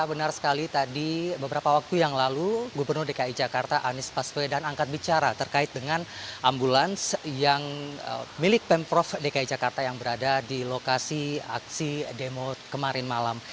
benar sekali tadi beberapa waktu yang lalu gubernur dki jakarta anies paswedan angkat bicara terkait dengan ambulans yang milik pemprov dki jakarta yang berada di lokasi aksi demo kemarin malam